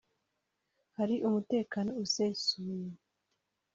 hari umutekano usesuye